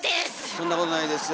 そんなことないですよ。